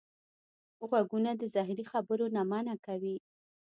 غوږونه د زهري خبرو نه منع کوي